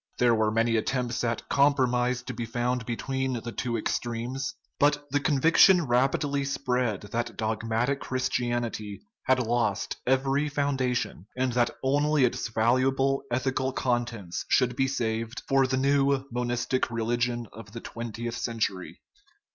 There 322 SCIENCE AND CHRISTIANITY were many attempts at compromise to be found between the two extremes; but the conviction rapidly spread that dogmatic Christianity had lost every foundation, and that only its valuable ethical contents should be saved for the new monistic religion of the twentieth century.